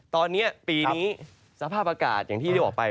ตอนนี้ปีนี้สภาพอากาศอย่างที่ได้ออกไป